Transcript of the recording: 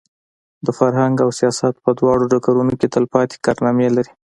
د فرهنګ او سیاست په دواړو ډګرونو کې تلپاتې کارنامې لري.